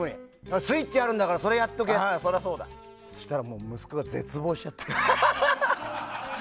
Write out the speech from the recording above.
Ｓｗｉｔｃｈあるんだからやってなさいってそしたら息子が絶望しちゃって。